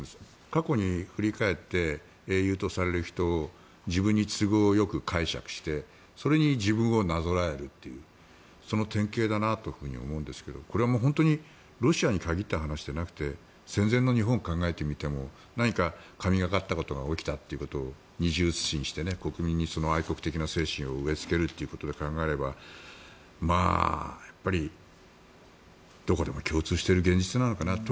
過去、振り返って英雄とされる人を自分に都合よく解釈してそれに自分をなぞらえるというその典型だなというふうに思うんですけどこれも本当にロシアに限った話ではなくて戦前の日本を考えてみても何か神懸かったことが起きたってことを二重映しにして国民に愛国的な精神を植えつけることで考えるとどこでも共通している現実なのかなと。